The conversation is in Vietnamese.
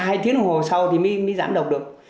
hai tiếng đồng hồ sau thì mới giảm độc được